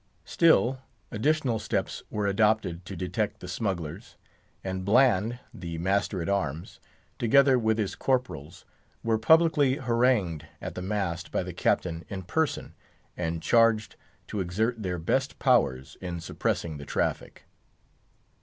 Still additional steps were adopted to detect the smugglers; and Bland, the master at arms, together with his corporals, were publicly harangued at the mast by the Captain in person, and charged to exert their best powers in suppressing the traffic.